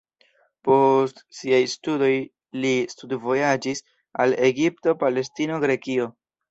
Post siaj studoj li studvojaĝis al Egipto, Palestino, Grekio.